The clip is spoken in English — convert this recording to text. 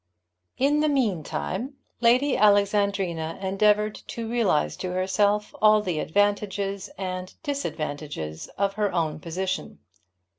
In the meantime Lady Alexandrina endeavoured to realize to herself all the advantages and disadvantages of her own position.